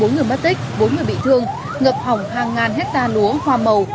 bốn người mất tích bốn người bị thương ngập hỏng hàng ngàn hectare lúa hoa màu